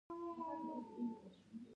دوی سره ټنډه شوي دي.